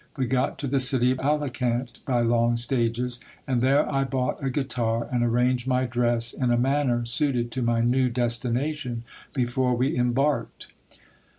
We got to the city of Alicant by long stages, and there I bought a guitar, and arranged my dress in a manner suited to my new destination, before we em barked.